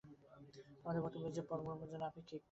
আমাদের বক্তব্য এই যে, পরব্রহ্ম যেন আপেক্ষিক জগৎ হইয়াছেন।